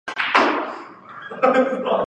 于是泾阳国除。